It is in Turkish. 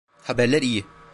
Haberler iyi.